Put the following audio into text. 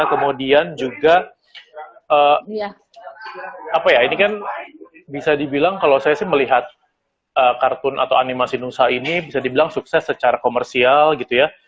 kemudian juga apa ya ini kan bisa dibilang kalau saya sih melihat kartun atau animasi nusa ini bisa dibilang sukses secara komersial gitu ya